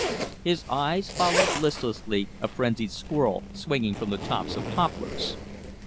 His eye followed listlessly a frenzied squirrel swinging from the tops of poplars.